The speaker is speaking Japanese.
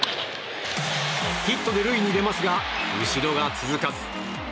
ヒットで塁に出ますが後ろが続かず。